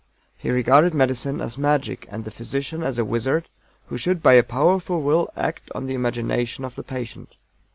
He regarded medicine as magic and the physician as a wizard who should by a powerful will act on the imagination of the patient.